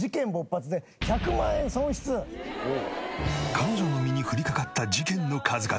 彼女の身に降りかかった事件の数々。